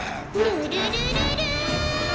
ルルルルル！